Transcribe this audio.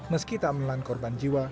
meski tak menelan korban jiwa